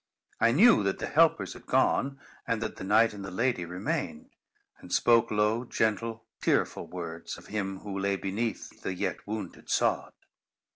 I knew that the helpers had gone, and that the knight and the lady remained, and spoke low, gentle, tearful words of him who lay beneath the yet wounded sod.